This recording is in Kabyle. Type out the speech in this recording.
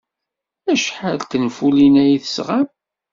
Acḥal n tenfulin ay d-tesɣam?